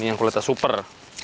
ini yang kulitnya super